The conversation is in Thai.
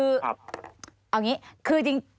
คือเอาอย่างนี้คือจริง